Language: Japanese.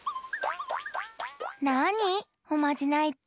なに？おまじないって。